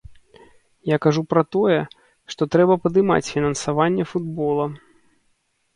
Я кажу пра тое, што трэба падымаць фінансаванне футбола.